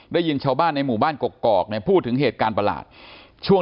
ได้ยินชาวบ้านในหมู่บ้านกกอกเนี่ยพูดถึงเหตุการณ์ประหลาดช่วง